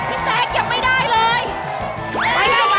พี่แซ็คยังไม่ได้เลย